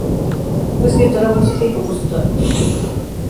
Fue escritora, música y compositora.